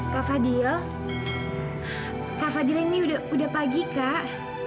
kak fadil ini udah pagi kak